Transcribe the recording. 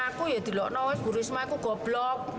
aku ya di loko burisma aku goblok